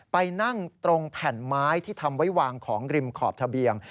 ไปนั่งตรงแผ่นไม้ที่ทำไว้วางของริมขอบทะเบียง